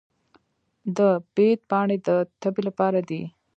د بید پاڼې د تبې لپاره دي.